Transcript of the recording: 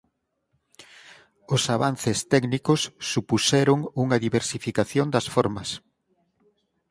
Os avances técnicos supuxeron unha diversificación das formas.